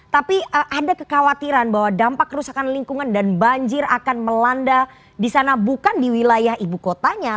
tapi ada kekhawatiran bahwa dampak kerusakan lingkungan dan banjir akan melanda di sana bukan di wilayah ibu kotanya